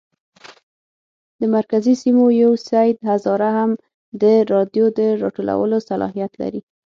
د مرکزي سیمو یو سید هزاره هم د رایو د راټولولو صلاحیت لري.